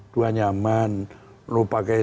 dua nyaman lu pakai